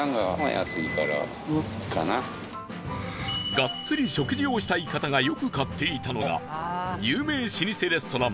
ガッツリ、食事をしたい方がよく買っていたのが有名老舗レストラン